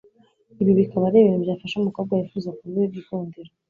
ibi bikaba ari ibintu byafasha umukobwa wifuza kuba uw'igikundiro